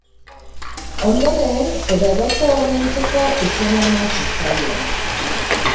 Ondoren Herodoto omentzeko izena eman zitzaion.